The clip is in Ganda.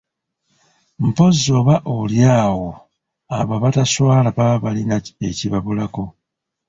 Mpozzi oba oli awo abo abataswala baba balina ekibabulako!